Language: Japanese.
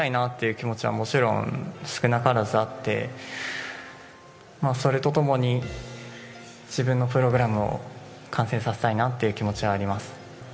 ４回転半降りたいなって気持ちはもちろん、少なからずあって、それとともに、自分のプログラムを完成させたいなっていう気持ちはあります。